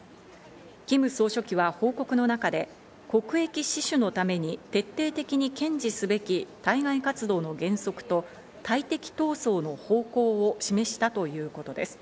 キム総書記は報告の中で、国益死守のために徹底的に堅持すべき対外活動の原則と対敵闘争の方向を示したということです。